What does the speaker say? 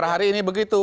pada hari ini begitu